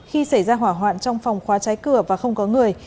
khi xảy ra hỏa hoạn trong phòng khóa cháy cửa và không có người